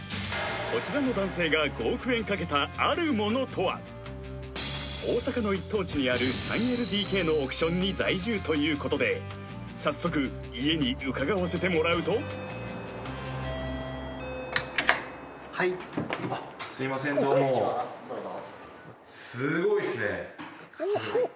こちらの男性が５億円かけたあるものとは大阪の一等地にある３ＬＤＫの億ションに在住ということで早速家に伺わせてもらうとはいこんにちはどうぞすいません